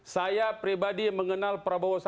saya pribadi mengenal prabowo sandi